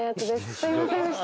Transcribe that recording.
すみませんでした。